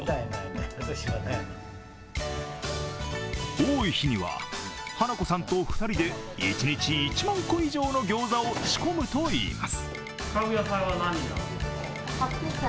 多い日には華子さんと２人で一日１万個以上のギョーザを仕込むといいます。